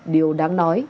điều đáng nói